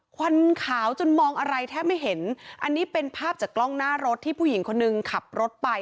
ควันขาวจนมองอะไรแทบไม่เห็นอันนี้เป็นภาพจากกล้องหน้ารถที่ผู้หญิงคนนึงขับรถไป